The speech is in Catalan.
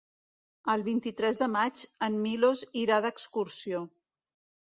El vint-i-tres de maig en Milos irà d'excursió.